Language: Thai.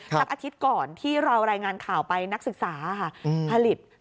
อาทิตย์ก่อนที่เรารายงานข่าวไปนักศึกษาผลิต